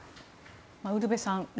ウルヴェさん